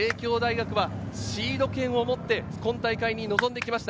シード権を持って今大会に臨んできました。